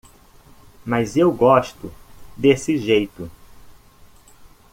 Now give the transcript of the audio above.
Mas eu gosto desse jeito.